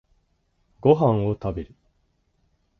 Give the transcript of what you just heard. ご飯を食べる。